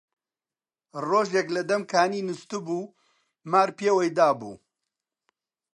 ڕۆژێک لە دەم کانی نوستبوو، مار پێوەی دابوو